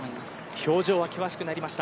表情は険しくなりました。